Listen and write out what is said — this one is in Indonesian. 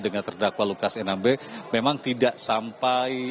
dengan terdakwa lukas nmb memang tidak sampai